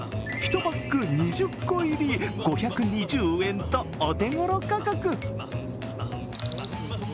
１パック２０個入り５２０円とお手ごろ価格。